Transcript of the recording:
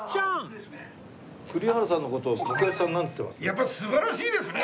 やっぱ素晴らしいですね。